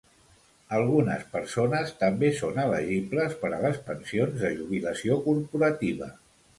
Algunes persones també són elegibles per a les pensions de jubilació corporativa.